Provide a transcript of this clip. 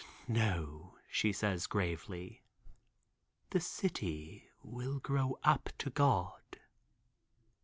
"No," she says gravely, "the city will grow up to God."